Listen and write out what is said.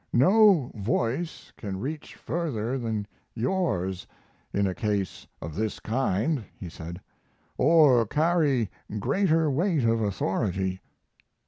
"No voice can reach further than yours in a case of this kind," he said, "or carry greater weight of authority."